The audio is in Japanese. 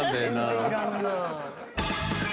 全然いらんなあ。